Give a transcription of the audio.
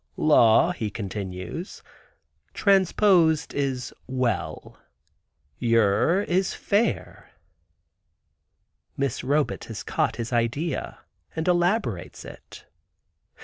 "Law," he continues, "transposed is 'well;' yer is 'fare.'" Miss Robet has caught his idea, and elaborates it.